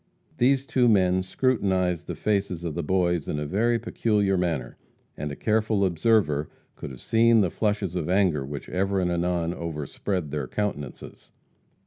These two men scrutinized the faces of the Boys in a very peculiar manner, and a careful observer could have seen the flushes of anger which ever and anon overspread their countenances.